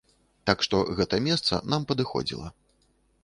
Так што гэта месца нам падыходзіла.